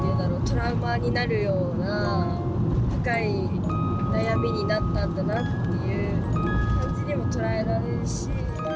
トラウマになるような深い悩みになったんだなっていう感じにもとらえられるし。